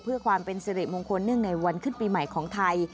เพื่อความเป็นสิริมงคลเนื่องในวันขึ้นปีใหม่ของไทย